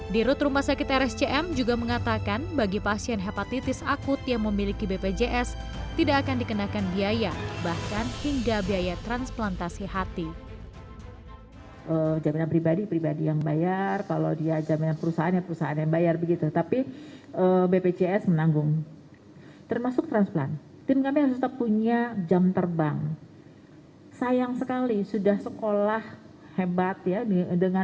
di rut rumah sakit rscm juga mengatakan bagi pasien hepatitis akut yang memiliki bpjs tidak akan dikenakan biaya bahkan hingga biaya transplantasi hati